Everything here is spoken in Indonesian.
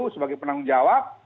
sebagai penanggung jawab